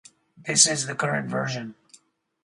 This is the current version.